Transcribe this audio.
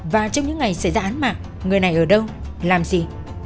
và trong những ngày xảy ra án mạng người này ở đâu làm gì